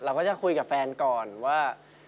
ก็จะคุยกับแฟนก่อนว่า